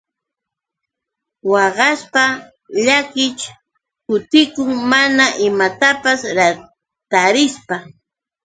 Waqashpa llakiish kutikun mana imatapis tarishpa.